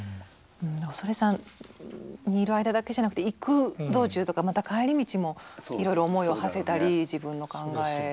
恐山にいる間だけじゃなくて行く道中とかまた帰り道もいろいろ思いをはせたり自分の考えと向き合ったり。